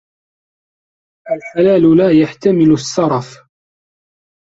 الْحَلَالُ لَا يَحْتَمِلُ السَّرَفَ